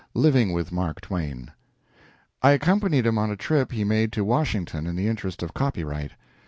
LIVING WITH MARK TWAIN I accompanied him on a trip he made to Washington in the interest of copyright.